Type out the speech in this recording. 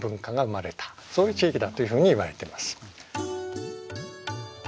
そういう地域だっていうふうにいわれてます。